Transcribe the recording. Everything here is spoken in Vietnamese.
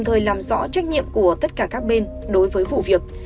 trách nhiệm của tất cả các bên đối với vụ việc